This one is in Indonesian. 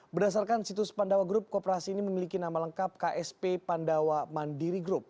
berdasarkan situs pandawa group kooperasi ini memiliki nama lengkap ksp pandawa mandiri group